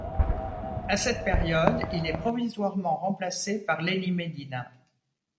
À cette période, il est provisoirement remplacé par Lenny Medina.